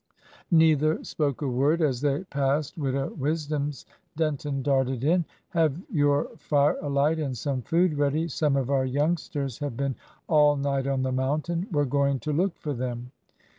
Neither spoke a word. As they passed Widow Wisdom's, Denton darted in. "Have your fire alight and some food ready. Some of our youngsters have been all night on the mountain. We're going to look for them."